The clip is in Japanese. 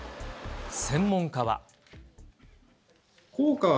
専門家は。